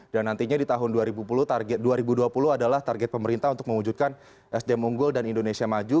dan nantinya di tahun dua ribu dua puluh adalah target pemerintah untuk mewujudkan sdm unggul dan indonesia maju